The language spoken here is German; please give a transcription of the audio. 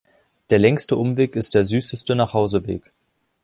Der längste Umweg ist der süßeste Nachhauseweg.